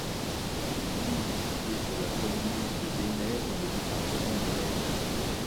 L'église est située sur la commune de Benay, dans le département de l'Aisne.